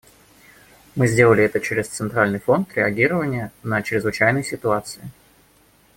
Мы сделали это через Центральный фонд реагирования на чрезвычайные ситуации.